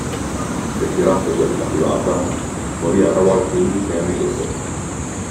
Ritiratosi a vita privata, morì a Rawalpindi sei anni dopo.